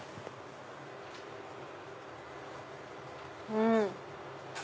うん！